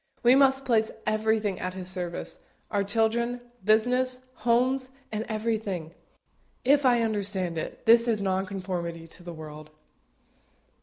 We must place everything at His service our children, business, homes, and everything. If I understand it, this is nonconformity to the world.